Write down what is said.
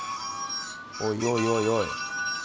おいおいおいおい。